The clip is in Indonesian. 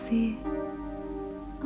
aku tidak mau diberi alih beri